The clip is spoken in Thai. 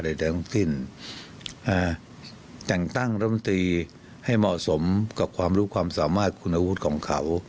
แต่อาจตั้งรัมตีให้เหมาะสมกับความลูกความสามารถคุณนาฬุของเขา